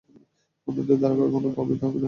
অন্যদের ধারা কখনো প্রভাবিত হবি না।